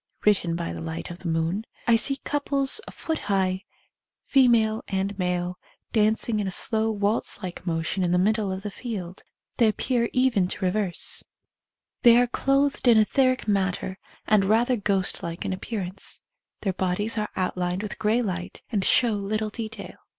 (Written by the light of the moon.) I see couples a foot high, fe male and male, dancing in a slow waltz like motion in the middle of the field. They ap pear even to reverse. They are clothed in 114 OBSERVATIONS OF A CLAIRVOYANT etheric matter and rather ghost like in ap pearance. Their bodies are outlined with grey light and show little detail.